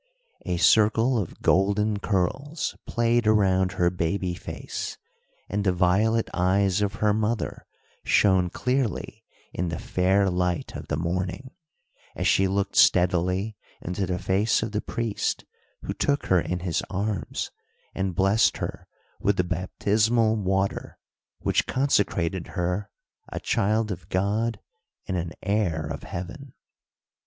A circle of golden curls played around her baby face, and the violet eyes of her mother shone clearly in the fair light of the morning, as she looked steadily into the face of the priest who took her in his arms and blessed her with the baptismal water which consecrated her "a child of God and an heir of heaven."